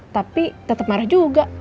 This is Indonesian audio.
tapi tetep marah juga